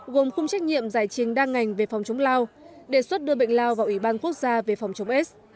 gồm khung trách nhiệm giải trình đa ngành về phòng chống lao đề xuất đưa bệnh lao vào ủy ban quốc gia về phòng chống s